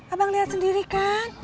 abang lihat sendiri kan